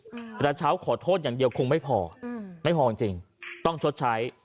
กระเช้าขอโทษอย่างเดียวคงไม่พออืมไม่พอจริงจริงต้องชดใช้